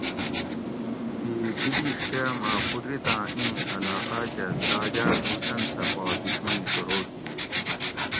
تی دی دیش کہ مہ قدرتاۤں اِیں علاقاۤ کہ داۤگال حسن سہ پا دُشمنی شروع کِیت